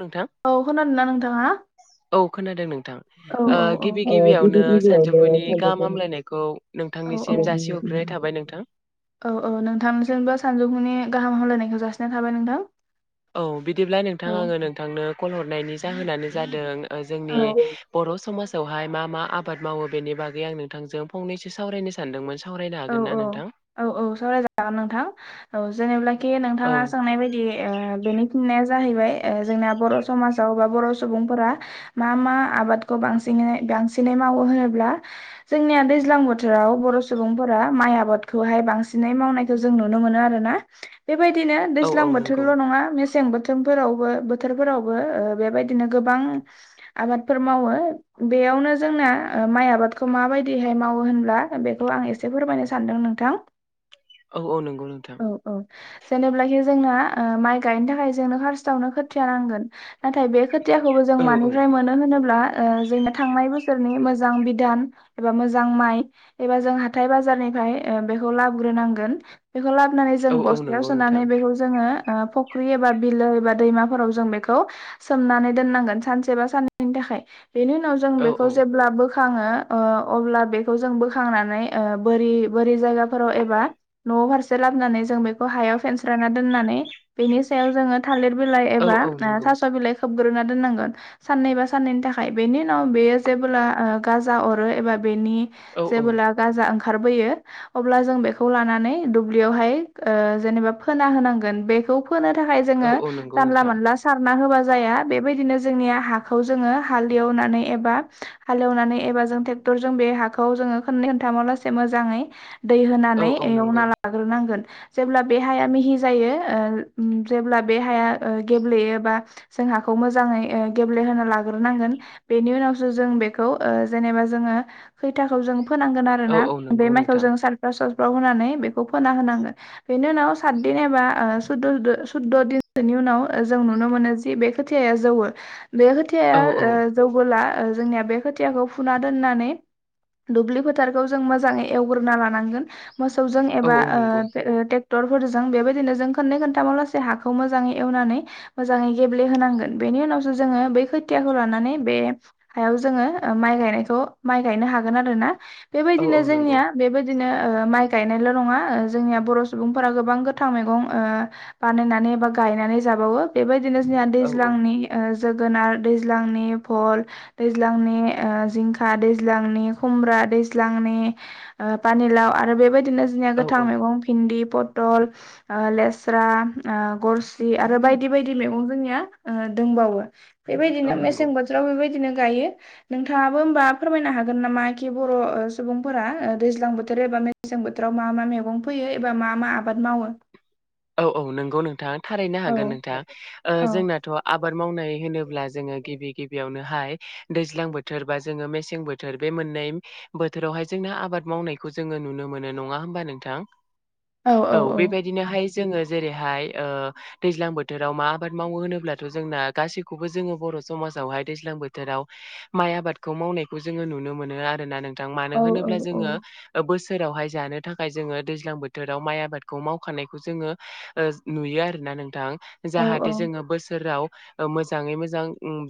नोंथां औ खोनादोना नोंथाङा? औ खोनादों नों थां औ ओ औ गिबि गिबियावनो सानजौफुनि गाहाम हामलायनायखौ औ नोंथांनिसिम जासिहर नाय थाबाय नोंथां। औ औ नोंथांसिमबो सानजौफुनि गाहाम हामलायनायखौ जासिनाय थाबाय नोंथां। औ बिदिब्ला नोंथां औ आङो नोंथांनो कल हरनायनि जाहोनानै जादों ओ जोंनि औ बर' समाज आवहाय मा मा आबाद मावो बेनि बागै आं नोंथांजों फंनैसो सावरायनो सानदोंमोन? सावरायनो औ हागोन ना औ नोंथां औ औ सावरायजागोन नोंथां औ जेनेब्ला खि औ नोंथाङा सोंनाय बायदि ओ बेनि फिननाया जाहैबाय ओ जोंना बर' समाजाव बा बर' सुबुंफोरा मा मा आबादखौ बांसिनै बांसिनै मावो होनोब्ला जोंनिया दैज्लां बोथोराव बर' सुबुं फोरा माइ आबादखौहाय बांसिनै मावनायखौ जों नुनो मोनो आरोना। बेबायदिनो औ दैज्लां औ नंगौ बोथोरल' नङा मेस मेसें बोथोमफोरावबो बोथोरफोरावबो ओ बेबायदिनो गोबां आबादफोर मावो। बेयावनो जोंना ओ माइ आबादखौ माबायदिहाय मावो होनब्ला बेखौ आं एसे जे फोरमायनो सानदों नोंथां। औ औ नंगौ नोंथां। औ औ जेनेब्लाखि जोंना माइ गायनो थाखाय जोंनो फार्स्टावनो खोथिया नांगोन नाथाय बे खोथियाखौबो जों औ मानिफ्राय मोनो होनोब्ला ओ जोंनो थांनाय बोसोरनि मोजां बिदान एबा मोजां माइ एबा जोंहा हाथाय बाजारनिफाय बेखौ लाबग्रोनांगोन। बेखौ लाबनानै जों औ औ बस्तायाव नंगौ नोंथां सोनानै बेखौ जोङो ओ फख्रि एबा बिलो एबा दैमाफोराव जों बेखौ सोमनानै दोननांगोन सानसे बा साननैनि थाखाय। बेनि उनाव जों औ औ बेखौ जेब्ला बोखाङो ओ अब्ला बेखौ जों बोखांनानै ओ बोरि बोरि जायगाफोराव एबा न' फारसे लाबनानै जों बेखौ हायाव फेनस्राना दोननानै नि बेनि‌ सायाव जोङो थालिर बिलाइ औ एबा औ नंगौ थास' बिलाइ खोबग्रोना दोननांगोन साननै बा साननैनि थाखाय बेनि उनाव बेयो जेबोला गाजा अरो एबा बेनि औ औ जेबोला जा ओंखार बोयो अब्ला जों बे लानानै दुब्लियावहाय ओ जेनेबा फोना होनांगोन। बेखौ फोनो थाखाय औ जोङो औ नंगौ जानला नोंथां मानला सारना होबा जा जाया बेबायदिनो जोंनि हाखौ जोङो हालदियाव होनानै एबा हालेवनानै एबा जों टेक थरजों बे हाखौ जोंङो खोननै खोन थामावलासे मोजाङै दै औ होनानै औ नंगौ एवना लाग्रोनांगोन। जेब्ला बे हाया मिहि जायो ओम जेब्ला बे हाया ओ गेब्लेयोबा जों। हाखौ मोजाङै ओ गेब्लेहोना लाग्रोनांगोन बेनि उनावसो जों बेखौ ओ जेनेबा जोङो। खैथाखौ जों फोनांगोन आरो औ ना औ नंगौ बे माइखौ नोंथां जों साल। खौ होनानै बेखौ फोना होनांगोन बेनि उनाव सात दिन एबा ओ सुददो सुदद' दिनसोनि उन आव। उनाव जों नुनो मोनो जि बे खोथाया जौवो बे खोथाया औ औ ओ जौबोला। ओ जोंनिया बे खोथियाखौ फुना दोननानै दुब्लि फोद। फोथारखौ जों मोजाङै एवग्रोना लानांगोन मोसौजों औ एबा औ नंगौ ओ [unintelligible] टेक्टर फोरजों बेबायदिनो जों खोननै खोनथामावलासै हाखौ मोजाङै एवनानै मोजाङै गेब्लेहोनांगोन बे नि उनावसो जोङो बै खोथियाखौ लानानै बे हायाव जोङो माइ गायनायखौ माइ गायनो हागोन। खोनादोना औ बेबायनो औ नंगौ जोंनिया बिदिनो माइ गायनायल' नङा जोंनिया बर' सुबुंफोरा गोबां गोथां मैगं ओ बानायनानै बा गायनानै जाबावो बेबायदिनो जोंनिया औ दैल्जानि जोगोनार दैज्लांनि भल दैज्लांनि जिंखा दैज्लांनि खुमब्रा दै लांनि पानिलाव आरो बेबायदिनो जोंनि औ गोथां औ मैगं भिनदि पतल, ओ लेस्रा, गरसि आरो बायदि बायदि मैं जोंनिया दंबावो बेबायदिनो औ नंगौ मेसें बोथोराव बेबायदिनो जायो नोंथाङाबो ओमबा फोरमायनो हागोन नामाखि बर' सुबुंफोरा दैज्लां बोथोर एबा मेसें बोथोराव मा मा मैगं फोयो एबा मा मा आबाद मावो? औ औ नंगौ नोंथां थारैनो औ हागोन नोंथां ओ औ जोंनाथ' आबाद मावनाय होनोब्ला जोङो गिबि गिबियावनोहाय दैज्लां बोथोर बा जोङो मेसें बोथोर बे मोननै बोथोरावहाय जोंनो आबाद मावनाय जोङो नुनो मोनो नङा ओमबा नोंथां औ बेबादिनोहाय जोङो जेरैहाय दैज्लां ओ बोथोराव मा आबाद मावो होनोब्लाथ' जोंना गासैखौबो जोङो बर' बर' समाजावहाय दैज्लां बोथोराव माइ आबादखौ मावनायखौ जोङो नुनो मोनो आरोना नों थां मानो औ होनोबा जोङो बो सोरावहाय जानो थाखाय जोङो दैज्लां बोथोराव माइ आबादखौ मावखानाय जोङो नुयो आरोना नोंथां औ औ जाहाथे जोङो बोसोराव ओ मोजाङै मोजां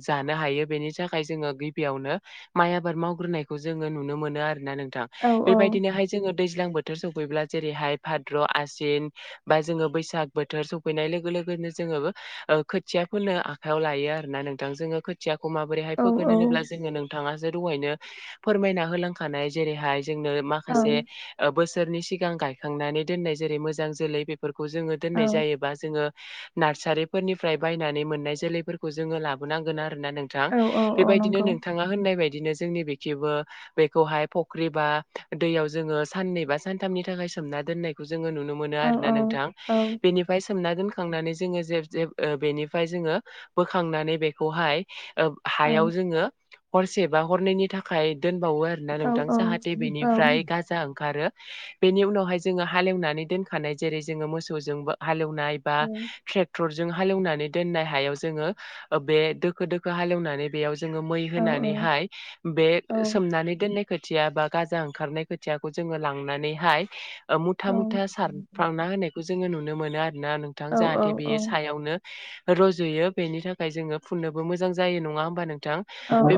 जानो हायो बेनि थाखाय जोङो गिबियावनो माइ आबाद मावग्रोनाय जोङो नुनो मोनो आरोना नों थां औ बेबायदिनोहाय जोङो दैज्लां बोथोर सौफैब्ला जेरैहाय भाद्र' आसिन बा जोङो बैसाग बोथोर सफैनाय लोगो लोगोनो जोङो ओ खोथिया फोननो आखाइयाव लायो आरो ना नोंथां खोथिया माबोरैहाय औ फोगोन होनोब्ला जोङो नोंथाङासो दहायनो फोरमायना होलांखानाय जेरैहाय जोंनो औ माखासे बोसोरनि सिगां गायखांनानै दोनाय जेरै मोजां जोलै फोरखौ जोङो दोननाय औ जायोबा जोङो नार्सारिफोरनिफ्राय बायनानै मोननाय जोलैफोरखौ जोङो लाबोनांगोन आरो ना नोंथां औ औ औ बेबायदिनो नंगौ नोंथाङा होननाय बा दिनो जोंनि बेखिबो बेखौहाय फख्रि बा दैयाव जोङो साननै बा सानथामनि थाखाय सोमना दोननायखौ नुनो मोनो औ आरोना औ नोंथां औ सोमना दोनखांनानै जोङो जे जे [unintelligible] बेनिफ्राय जोङो बोखांनानै बेखौहाय ओ औ हायाव जोङो हरसे बा हरनैनि थाखाय दोन बावो आरोना औ नोंथां औ जाहाथे औ बेनिफ्राय गाजा ओंखारो बेनि उनावहाय जोङो हालेवनानै दोनखानाय जेरै जोङो मोसौजोंबो हालेव एवनाय बा ट्रेक्टरजों जों हाल एवनानै दोननाय हायाव जोङो दोखो दोखो हालनानै बेयाव जों मै होनानैहाय बे सोमनानै दोननाय खोथिया बा गा ओंखारनाय खोथियाखौ जोङो लांनानैहाय ओ मुथा मुथा सार ना होनायखौ जोङो नुनो मोनो आरो ना नोंथां औ जाहाथे बे सायावनो रजुयो बेनि थाखाय जोङो फुनोबो मोजां जायो नङा होमबा नों थां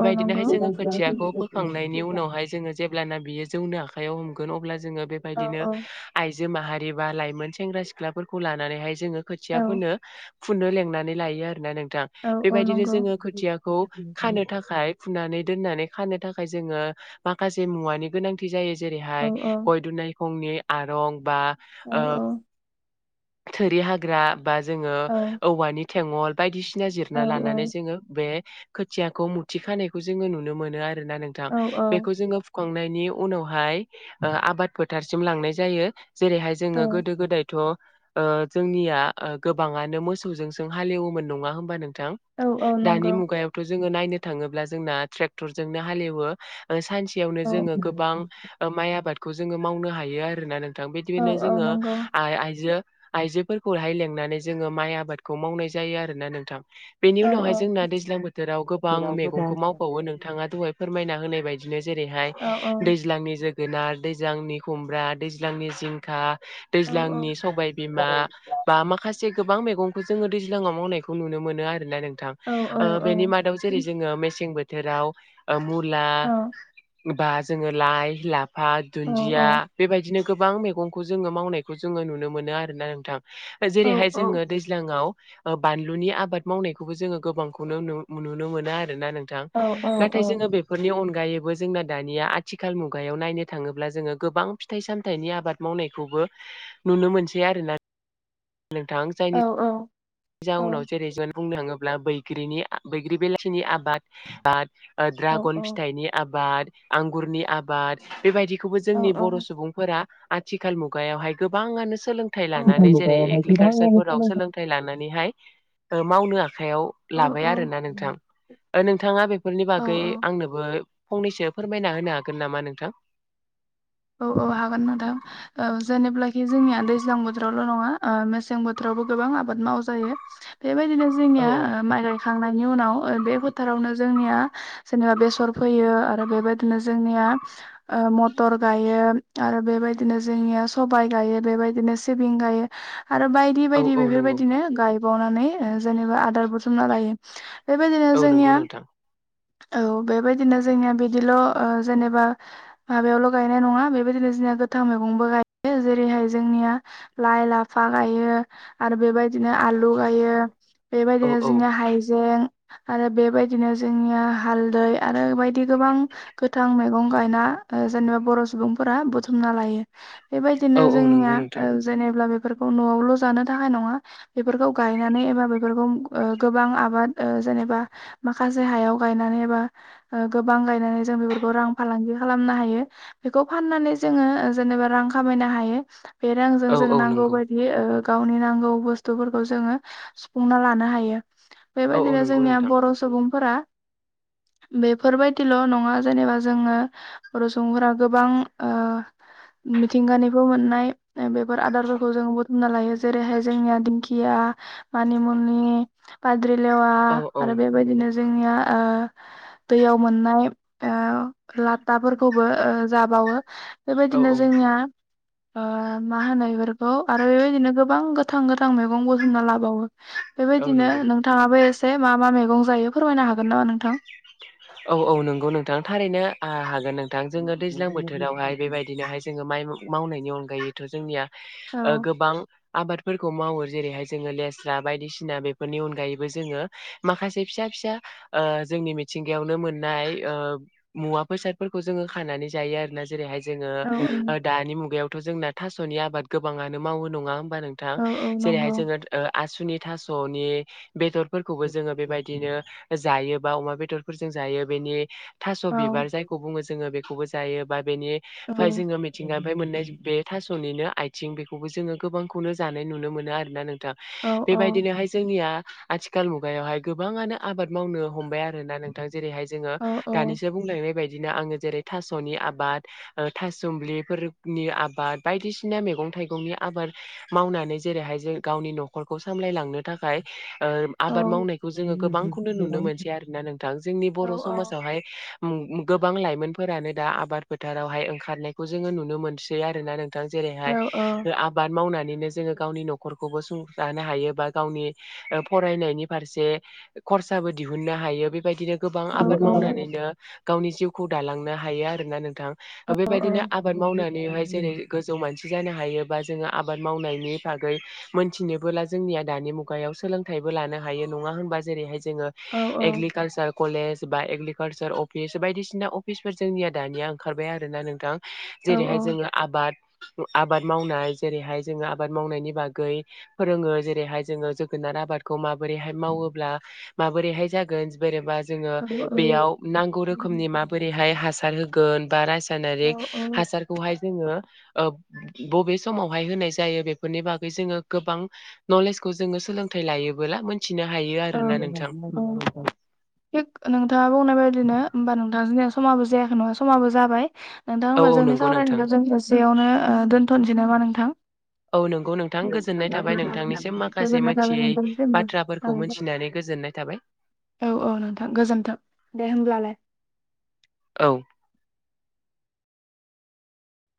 औ नंगौ औ जोङो खोथियाखौ फोखांनायनि उनावहाय जोङो जेब्लाना बियो जौनो आखायाव हमगोन अब्ला जोङो बेबायदिनो आइजो माहारि बा लाइमोन सेंग्रा सिख्लाफोरखौ लानानैहाय जोङो खोथिया फोनो फुनो लिंनानै लायो आरोना नों थां औ बेबायदिनो नंगौ जोङो खोथियाखौ खानो थाखाय फुनानै दोननानै खानो थाखाय जोङो माखासे मुवानि गोनांथि जायो औ जेरैहाय औ गय दुनायखंनि आरं बा औ नंगौ औ नंगौ औ ओ थोरि हाग्रा बा जोङो औ औवानि थेंगल बायदिसि ना औ जिरना औ लानानै जोङो बे खोथियाखौ मुथि खानायखौ जोङो नुनो मोनो आरो। नोंथां बेखौ जोङो खांनायनि उनावहाय आबाद फोथारसिम लांनाय जायो जेरैहा जोङो औ गोदो गोदायथ ओ जोंनिया ओ गोबाङानो मोसौजोंसों हालेवोमोन नङा होमबा नों थां दानि मुगायावथ जोङो नायनो थाङोब्ला जोंना ट्रेक्टरजोंनो हालेवो ओ सानसेयावनो जोङो गोबां माइ आबादखौ जोङो मावनो हायो आरोना नोंथां बिदिनो जोङो आइ आइ जो आइजोफोरखौहाय लेंनानै जोङो माइ आबादखौ मावनाय जायो आरो ना नोंथां। बेनि उनावहाय जोंना दैज्लां बोथोराव गोबां मैगंखौ मावबावो नोंथाङा दहाय फोरमायना होनाय बायदिनो जेरैहाय दैज्लांनि जोगोनार दैज्लांनि खुमब्रा दैज्लांनि जिंखा दैज्लांनि सबायबिमा बा माखासे गोबां मेगं गंखौ जोङो दैज्लांयाव मावनायखौ नुनो मोनो आरोना नोंथां बेनि मादाव जेरै जोङो मेसें बो थोराव ओ मुला बा जोङो लाइ ला फा दुन्दिया बेबायदिनो गोबां मैगंखौ जोङो मावनायखौ जोङो नुनो मोनो आरोना नोंथां। जेरैहाय जोङो दैज्लांयाव बानलुनि आबाद मावनायखौबो जोङो गोबांखौनो नुनो मोना आरोना नों थां नाथाय जोङो बेफोरनि अनगा गायैबो जोंना दानिया आथिखाल मुगायाव नायनो थाङोब्ला जोङो गोबां फिथाइ सामथाइनि आबाद मावनाय खौबो नुनो मोनसै आरोना नोंथां जायनि जाउनाव जेरै जों बुंनो थाङोब्ला बैग्रिनि बैग्रि बेलाथिनि आबाद औ औ द्रागन फिथाइनि आबाद आंगुरनि आबाद बेबायदिखौबो औ जोंनि बर औ सुबुंफोरा आथिखाल मुगायावहाय गोबाङानो सोलोंथाइ लानानै जेरै एग्रिकालसारफोराव सोलोंथाइ लानानैहाय मावनो आखायाव औ लाबाय औ आरोना नोंथां ओ नोंथाङा बेफोरनि औ बागै आंनोबो फंनैसो फोरमायना होनो हागोन नामा नोंथां? औ औ हागोन नोंथां औ जेनेब्लाखि जोंनिया दैज्लां बोथोरावल नङा आं मेसें बोथोराव बो गोबां आबाद मावजायो। बेबायदिनो औ जोंनिया औ माइ गायखांनायनि उनाव ओ बे फोथारावनो जोंनिया जेनेबा बेसर फैयो आरो बेबायदिनो जोंनिया ओ मथर गायो आरो बेबायदिनो जोंनिया सबाइ गायो बेबायदिनो सिबिं गायो आरो बायदि औ बायदि औ नंगौ बेफोरबायदिनो गायबावनानै ओ जेनेबा आदार बुथुमना लायो। बेबायदिनो औ नंगौ जोंनिया नोंथां औ बेबायदिनो जोंनि बिदिल जेनेबा माबायावल गायनाय नङा बेबायदिनो जोंना गोथां मैगंबो गायो जेरैहाय जोंनिया लाइ लाफा गायो आर बेबायदि दिनो आलु गायो औ बेबायदिनो औ जोंनिया हायजें आरो बेबायदिनो जोंनिया हालदै आरो बायदि गोबां गोथां मैगं गायना जेनेबा बर सुबुंफोरा बुथुमना लायो बेबायदिनो औ औ जोंनिया नंगौ नोंथां जेनेबा ओ बे बेफोरखौ नआवल जानो थाखाय नङा बेफोरखौ गायनानै एबा बेफोरखौ गोबां आबाद ओ जेनेबा माखासे हयाव गायनानैबा ओ गोबां गायनानै जों बेफोरखौ रां फालांगि खालाम नो हायो। बेखौ फाननानै जोङो जेनेबा रां खामायनो हायो बे रांजों औ जों औ नांगौ नंगौ बायदि ओ गावनि नांगौ बुस्थुफोरखौ जोङो सुफुंना लानो हायो औ औ बेबायदिनो नंगौ जोंनिया नोंथां बर सुबुं बेफोरबायदिल नङा जेनेबा जोङो बर सुबुंफोरा गोबां ओ मिथिंगानिखौ मोननाय बेफोर आदारफोरखौ जों बुथुमना लायो जेरैहाय जोंनिया दिंखिया मानिमुनि बा द्रिलेवा औ औ आरो बेबायदिनो जोंनिया ओ दैयाव मोननाय लाफोरखौबो जाबावो औ बेबायदिनो औ जोंनिया ओ मा होनो बेफोरखौ आरो बेबायदिनो गोबां गोथां गोथां मैगं बुथुमना लाबावो औ बेबायदिनो नंगौ नोंथाङाबो एसे मा मा मैगं जायो फोरमायनो हागोन नामा नोंथां? औ औ नंगौ नोंथां थारैनो हागोन नोंथां जोङो दैज्लां बोथोरावहाय बेबायदिनोहाय जोङो माइ मावनायनि अनगायैथ' जोंनिया औ ओ गोबां आबादफोरखौ मावो जेरैहाय जोङो लेस्रा बायदिसिना बेफोरनि अनगायैबो जोङो माखासे फिसा फिसा ओ जोंनि मिथिंगायावनो ओ मोननाय मुवा बेसादफोरखौ जोङो खानानै जायो आरो ना जेरैहाय जोङो औ ओ दानि मुगायावथ' जोंना थास'नि आबाद गोबाङानो मावो नङा होमबा नोंथां औ औ जेरैहाय नंगौ जोङो आसुनि थास'नि बेदरफोरखौबो जोङो बेबायदिनो जायो बा अमा बेदरफोरजों जायो बेनि थास' औ बिबार जायखौ बुङो जोङो बेखौबो जायो बा औ बेनिफाय जोङो मिथिंगानिफ्राय मोननाय बे थास'निनो आइथिं बेखौबो जोङो गोबांखौनो जानाय नुनो मोनो आरोना नोंथां औ औ बेबायदिनोहाय जोंनिया आथिखाल मुगायावहाय गोबाङानो आबाद मावनो हमबाय आरोना नों- जेरैहाय जोङो औ औ दानिसो बुंलांनाय बायदि बिदिनो आङो जेरै थास'नि आबाद ओ थासुमलिफोरनि आबाद बायदिसिना मैगं थाइगंनि आबाद मावनानै जेरैहाय जों गावनि न'खरखौ सामलायलांनो थाखाय ओ औ आबाद मावनायखौ जोङो गोबांखौनो नुनो मोनसै आरोना नोंथां जोंनि औ बर' समाजावहाय गोबां लाइमोनफोरानो दा आबाद फोथारावहाय ओंखारनायखौ जोङो नुनो मोनसै आरोना नों- थां जेरैहाय औ ओ आबाद मावनानै- नो जोङो गावनि न'खरखौबो सुंथानो हायो बा गावनि ओ फरायनायनि फारसे खरसाबो दिहुननो हायो बे बेबायदिनो गोबां औ आबाद मावनानैनो गावनि जिउखौ दालांनो हायो आरोना नों- थां बेबायदिनो आबाद मावनानैहाय जेरै गोजौ मानसि जानो हायो बा जोङो आबाद मावनायनि बागै मोनथिनोबोला जोंनिया दानि मुगायाव सोलोंथाइ बो लानो हायो नङा होमबा जेरैहाय जोङो औ एग्लि- कालसार कलेज बा एग्रिकालसार अफिस बायदिसिना अफिसफोर जोंनिया दानिया ओंखारबाय आरोना नोंथां जेरैहाय जोङो आबाद आबाद मावनाय जेरैहाय जोङो आबाद मावनायनि बागै फोरोङो जेरैहाय जोङो जोगोनार आबादखौ माबोरैहाय मावोब्ला माबोरैहाय जागोन बेरेबा जोङो बेयाव नांगौ रोखोमनि माबोरैहाय हासार होगोन बा रासा- यनारि हासारखौहाय जोङो ओ बबे समावहाय होनाय जायो बेफोरनि बागै जोङो गोबां नलेज खौ जोङो सोलोंथाइ लायोबोला मिथिनो हायो आरोना नोंथां थिक नोंथाङा बुंनाय बायदिनो होमबा नोंथां जोंनिया समाबो जायाखै नङा समाबो जाबाय नोंथां औ होमबा औ जोंनि नंगौ नोंथां सावरायनायखौ जों एसेयावनो दोन्थ'नोसै नामा नोंथां औ नंगौ नोंथां गोजोननाय थाबाय नोंथांनिसिम माखासे मिथियै [unintelligible] बाथ्राफोरखौ मोनथिनानै गोजोननाय थाबाय औ औ नोंथां गोजोन्थों दे होमब्लालाय औ